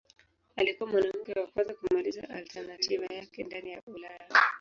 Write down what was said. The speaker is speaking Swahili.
Alikuwa mwanamke wa kwanza kumaliza alternativa yake ndani ya Ulaya.